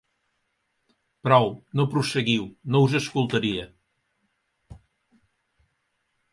Prou, no prosseguiu: no us escoltaria.